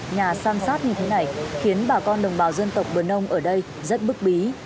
nhà san sát như thế này khiến bà con đồng bào dân tộc bờ ông ở đây rất bức bí